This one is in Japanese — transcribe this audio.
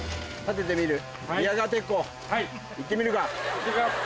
いってきます。